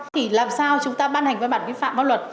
thì làm sao chúng ta ban hành văn bản vi phạm pháp luật